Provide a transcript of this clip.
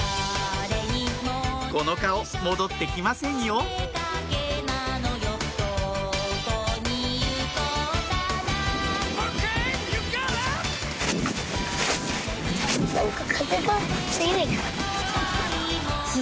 この顔戻ってきませんよなんか。